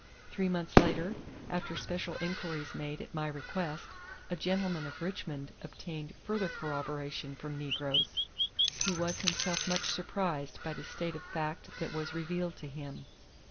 Three months later, after special inquiries made at my request, a gentleman of Richmond obtained further corroboration, from negroes. He was himself much surprised by the state of fact that was revealed to him.